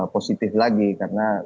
positif lagi karena